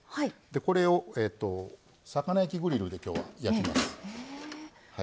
これを魚焼きグリルできょうは焼きます。